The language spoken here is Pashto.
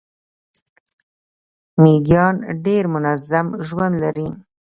میږیان ډیر منظم ژوند لري